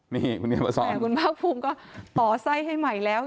นี่คุณเฮมภาษออนคุณภาคภูมิก็ต่อไส้ให้ใหม่แล้ว